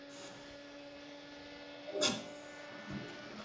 katika ufalme wa karibu huko nchini Bahrain